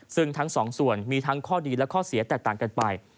ซึ่งทั้งสองส่วนมีทั้งข้อดีและข้อเสียแตกต่างกันไป